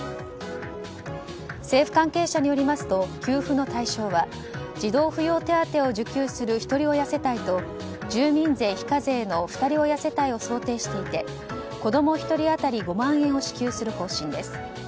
政府関係者によりますと給付の対象は児童扶養手当を受給するひとり親世帯と住民税非課税のふたり親世帯を想定していて子供１人当たり５万円を支給する方針です。